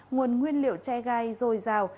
nguồn nguyên liệu che gai dồi dào